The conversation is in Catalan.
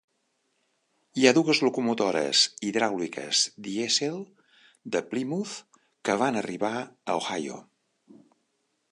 Hi ha dues locomotores hidràuliques dièsel de Plymouth que van arribar a Ohio.